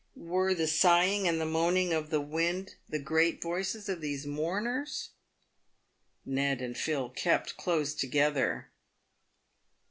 "Were the sigh ing and moaning of the wind the great voices of these mourners ? Ned and Phil kept close together.